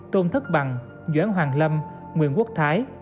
tôn thất bằng doãn hoàng lâm nguyễn quốc thái